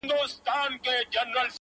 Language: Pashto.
څلوريځه,